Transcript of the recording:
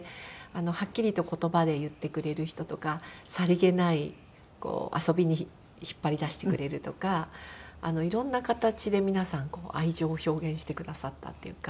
はっきりと言葉で言ってくれる人とかさりげない遊びに引っ張り出してくれるとかいろんな形で皆さんこう愛情を表現してくださったっていうか